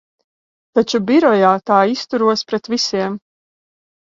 Taču birojā tā izturos pret visiem.